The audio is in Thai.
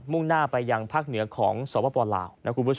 มุ่งหน้าไปยังภาคเหนือของสวปปลาว